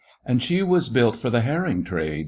And she was built for the herring trade.